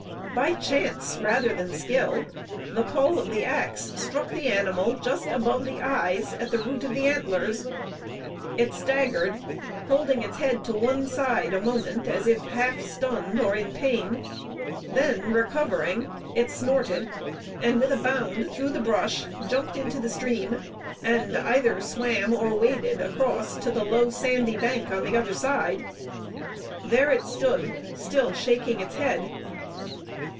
By chance rather than skill, the poll of the axe struck the animal just above the eyes at the root of the antlers. It staggered, holding its head to one side a moment, as if half stunned or in pain. Then, recovering, it snorted, and with a bound through the brush, jumped into the stream, and either swam or waded across to the low sandy bank on the other side. There it stood, still shaking its head.